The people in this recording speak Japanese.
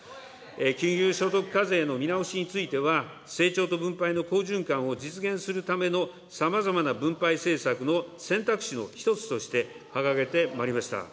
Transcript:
金融所得課税の見直しについては、成長と分配の好循環を実現するためのさまざまな分配政策の選択肢の一つとして掲げてまいりました。